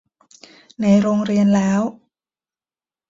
ในโรงเรียนแล้ว